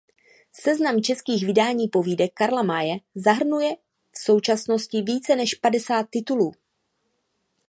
Seznam českých vydání povídek Karla Maye zahrnuje v současnosti více než padesát titulů.